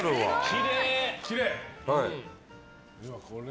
きれい！